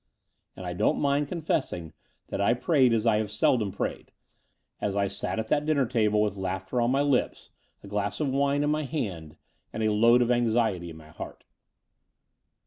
And I don't mind con fessing that I prayed as I have seldom prayed, as I sat at that dinner table with laughter on my lips, 3o8 The Door of the Unreal a glass of wine in my^hand, and a load of anxiety in my heart.